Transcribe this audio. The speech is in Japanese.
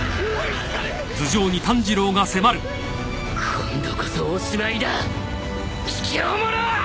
今度こそおしまいだひきょう者！